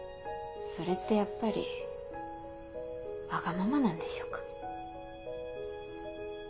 それってやっぱりワガママなんでしょうか？